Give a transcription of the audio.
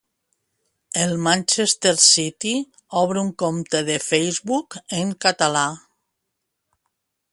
El Manchester City obre un compte de Facebook en català.